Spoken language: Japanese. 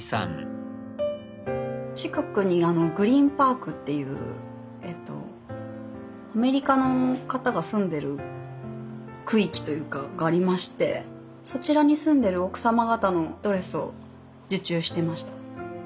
近くにグリーンパークっていうアメリカの方が住んでる区域というかがありましてそちらに住んでる奥様方のドレスを受注してました。